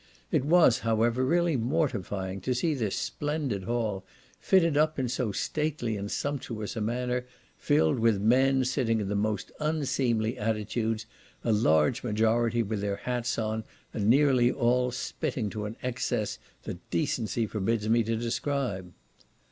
It was, however, really mortifying to see this splendid hall, fitted up in so stately and sumptuous a manner, filled with men, sitting in the most unseemly attitudes, a large majority with their hats on, and nearly all, spitting to an excess that decency forbids me to describe.